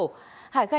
hải khai nhận